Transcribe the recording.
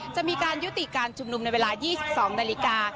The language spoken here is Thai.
จะมีการยุติการชุมนุมในเวลา๒๒นาฬิกา